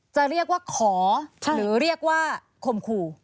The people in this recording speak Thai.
จะเรียกว่าขอหรือเรียกว่าข่มขู่